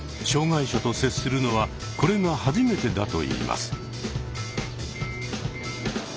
障害者と接するのはこれが初めてだといいます。